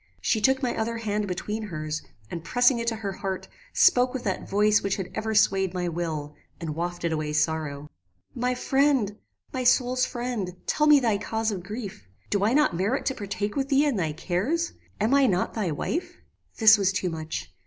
She took my other hand between her's, and pressing it to her heart, spoke with that voice which had ever swayed my will, and wafted away sorrow. "My friend! my soul's friend! tell me thy cause of grief. Do I not merit to partake with thee in thy cares? Am I not thy wife?" "This was too much.